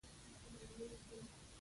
د خیر او عافیت یوه نښه پاتې شي.